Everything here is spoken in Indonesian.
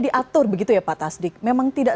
diatur begitu ya pak tasdik memang tidak